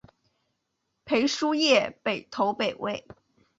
裴叔业北投北魏。